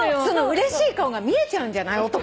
そのうれしい顔が見えちゃうんじゃない？